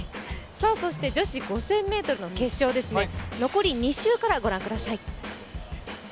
そして女子５０００ｍの決勝ですね、残り２周からご覧ください。